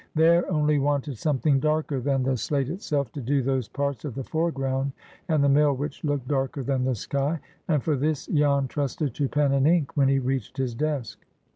There only wanted something darker than the slate itself to do those parts of the foreground and the mill which looked darker than the sky, and for this Jan trusted to pen and ink when he reached his desk.